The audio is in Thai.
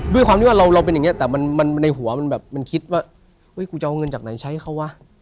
ด้วยความที่ว่าเราเป็นอย่างนี้แต่มันในหัวมันแบบมันคิดว่ากูจะเอาเงินจากไหนใช้เขาวะ